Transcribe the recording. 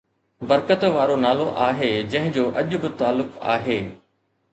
برڪت وارو نالو آهي جنهن جو اڄ به تعلق آهي